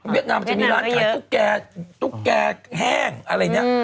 เวียดนามมันจะมีร้านขายตุ๊กแก่แห้งอะไรนี้